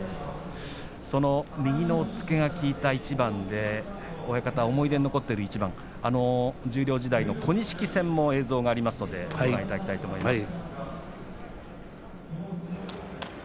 右の押っつけが効いた一番で親方の思い出が残っている一番十両時代の小錦戦も映像がありますのでご覧いただきたいと思います。